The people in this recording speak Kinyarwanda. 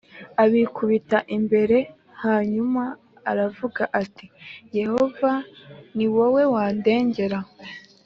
abikubita imbere Hanyuma aravuga ati Yehova ni wowe wandengera